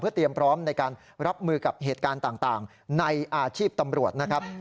เตรียมพร้อมในการรับมือกับเหตุการณ์ต่างในอาชีพตำรวจนะครับ